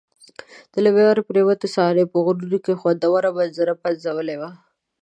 د لمر پرېوتو صحنې په غرونو کې خوندوره منظره پنځولې وه.